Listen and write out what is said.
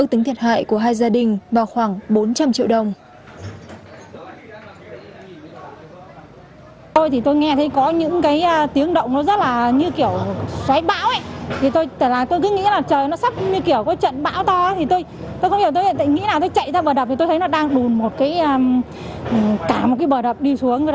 ước tính thiệt hại của hai gia đình